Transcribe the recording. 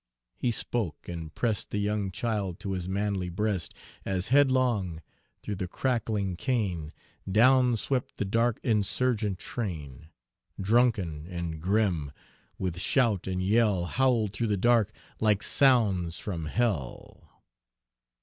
He spoke, and pressed The young child to his manly breast, As, headlong, through the crackling cane, Down swept the dark insurgent train, Page 364 Drunken and grim, with shout and yell Howled through the dark, like sounds from Hell!